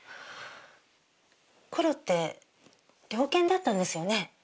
コロって猟犬だったんですよね？